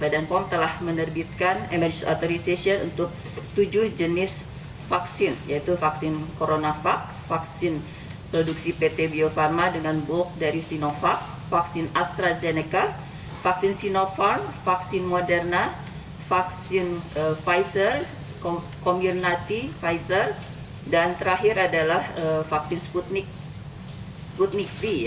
badan pom telah menerbitkan emergency use authorization untuk tujuh jenis vaksin yaitu vaksin coronavac vaksin produksi pt biofarma dengan bulk dari sinovac vaksin astrazeneca vaksin sinovarm vaksin moderna vaksin pfizer community pfizer dan terakhir adalah vaksin sputnik v